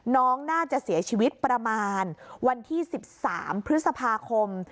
น้องน่าจะเสียชีวิตประมาณวันที่๑๓พฤษภาคม